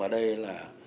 ở đây là